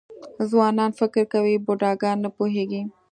ځوانان فکر کوي بوډاګان نه پوهېږي .